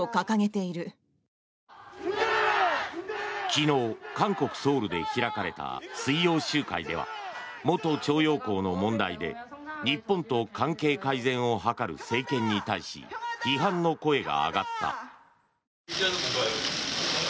昨日、韓国ソウルで開かれた水曜集会では元徴用工の問題で日本と関係改善を図る政権に対し批判の声が上がった。